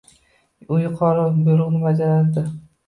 U yuqorini buyrug‘ini bajardi.